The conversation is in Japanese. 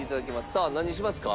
さあ何にしますか？